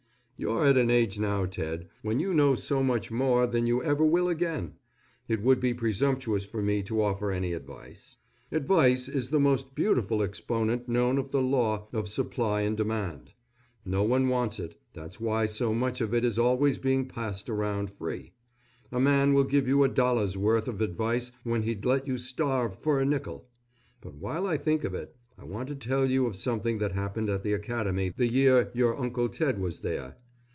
You're at an age now, Ted, when you know so much more than you ever will again, it would be presumptuous for me to offer any advice. Advice is the most beautiful exponent known of the law of supply and demand. No one wants it, that's why so much of it is always being passed around free. A man will give you a dollar's worth of advice when he'd let you starve for a nickel. But while I think of it, I want to tell you of something that happened at the Academy the year your Uncle Ted was there.